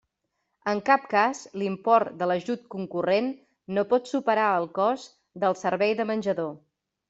En cap cas l'import de l'ajut concurrent no pot superar el cost del servei de menjador.